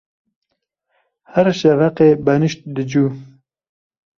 Her şeveqê benîşt dicû.